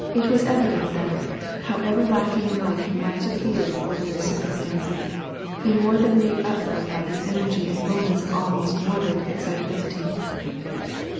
It was evident that, however lacking in life he might appear in ordinary circumstances, he more than made up for it by his energy at moments of almost morbid excitability.